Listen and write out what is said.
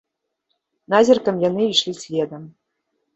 Назіркам яны ішлі следам.